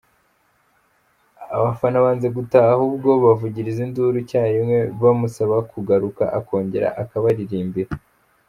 Abafana banze gutaha ahubwo bavugiriza induru icya rimwe bamusaba kugaruka akongera akabaririmbira.